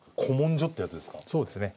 昔のそうですね。